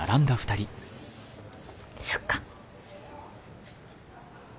そっか。